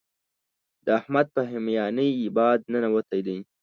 د احمد په هميانۍ باد ننوتی دی.